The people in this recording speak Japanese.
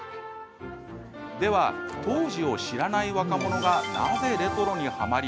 では、当時を知らない若者がなぜレトロにはまり